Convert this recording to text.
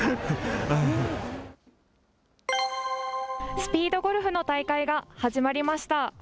スピードゴルフの大会が始まりました。